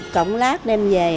cọng lát đem về